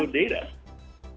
kalau itu ada data